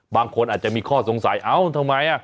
บางคนอาจจะมีข้อสงสัยเอ้าทำไม